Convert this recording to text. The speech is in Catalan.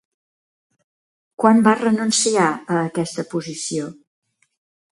Quan va renunciar a aquesta posició?